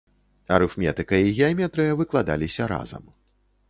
Арыфметыка і геаметрыя выкладаліся разам.